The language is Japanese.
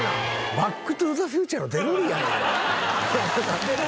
『バック・トゥ・ザ・フューチャー』のデロリアンやん。